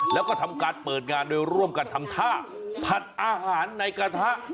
แล้วก็ทำการเปิดงานโดยร่วมกันทำท่าผัดอาหารในกระทะ